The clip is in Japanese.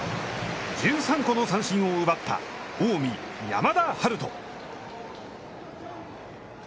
１３個の三振を奪った近江、山田陽翔。